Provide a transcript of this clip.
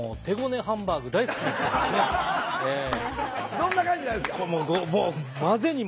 どんな感じなんですか？